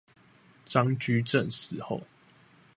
張居正死後